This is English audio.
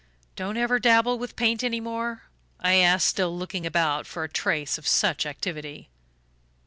"Don't you ever dabble with paint any more?" I asked, still looking about for a trace of such activity.